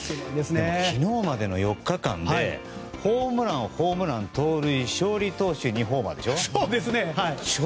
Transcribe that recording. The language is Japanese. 昨日までの４日間でホームラン、ホームラン盗塁、勝利投手２ホーマーでしょ。